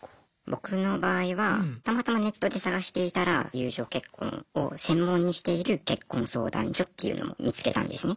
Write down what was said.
僕の場合はたまたまネットで探していたら友情結婚を専門にしている結婚相談所っていうのを見つけたんですね。